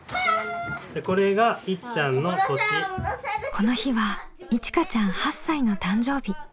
この日はいちかちゃん８歳の誕生日。